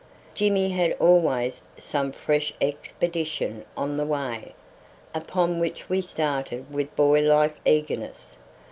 Jimmy had always some fresh expedition on the way, upon which we started with boy like eagerness.